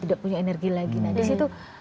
tidak punya energi lagi nah disitu